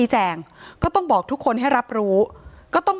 ถ้าใครอยากรู้ว่าลุงพลมีโปรแกรมทำอะไรที่ไหนยังไง